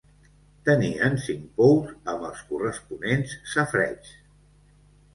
Tenien cinc pous amb els corresponents safareigs.